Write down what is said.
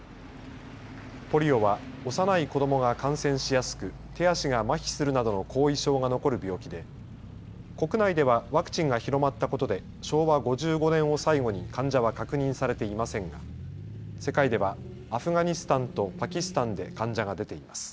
ポリオは幼い子どもが感染しやすく手足がまひするなどの後遺症が残る病気で国内ではワクチンが広まったことで昭和５５年を最後に患者は確認されていませんが世界ではアフガニスタンとパキスタンで患者が出ています。